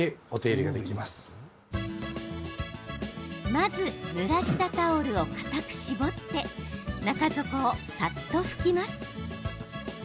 まず、ぬらしたタオルを固く絞って中底をさっと拭きます。